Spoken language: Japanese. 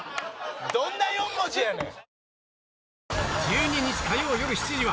どんな４文字やねん！